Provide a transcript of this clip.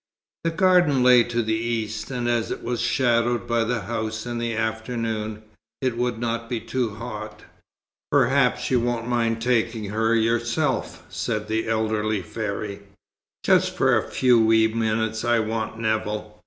The garden lay to the east, and as it was shadowed by the house in the afternoon, it would not be too hot. "Perhaps you won't mind taking her yourself," said the elderly fairy. "Just for a few wee minutes I want Nevill.